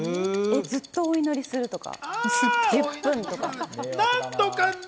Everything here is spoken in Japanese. ずっとお祈りするとか。